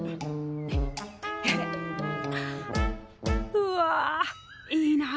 うわいいな！